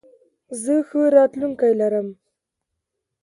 زه ښه راتلونکې لرم.